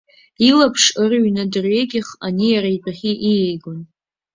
Илаԥш ырҩны дырҩегьых ани, иара итәахьы ииаигон.